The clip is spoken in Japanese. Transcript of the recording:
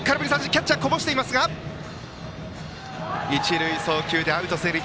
キャッチャーこぼしているが一塁送球でアウト成立。